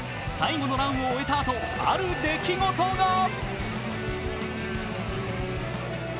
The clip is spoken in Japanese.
最後のランを終えたあと、ある出来事が。